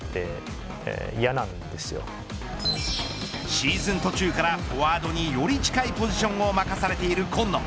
シーズン途中からフォワードにより近いポジションを任されている紺野。